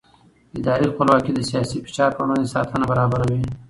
اداري خپلواکي د سیاسي فشار پر وړاندې ساتنه برابروي